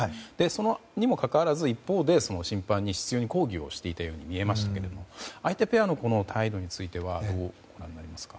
それにもかかわらず一方で審判に執拗に抗議していたように見えましたけれども相手ペアの態度についてはどうご覧になりますか？